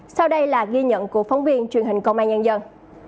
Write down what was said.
sau đây là ghi nhận của phóng viên truyền hình công an nhân dân